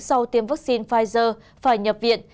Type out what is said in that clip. sau tiêm vaccine pfizer phải nhập viện